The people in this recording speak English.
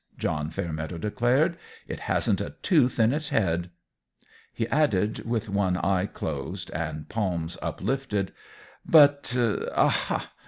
John Fairmeadow declared; "it hasn't a tooth in its head." He added, with one eye closed, and palms lifted: "But aha!